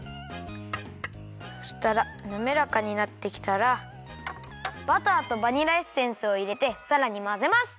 そしたらなめらかになってきたらバターとバニラエッセンスをいれてさらにまぜます。